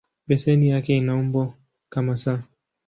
Beseni yake ina umbo kama "S".